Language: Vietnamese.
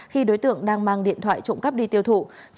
khi đối tượng đang mang điện thoại trộm cắp đi tiêu thụ